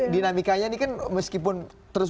dinamikanya ini kan meskipun terus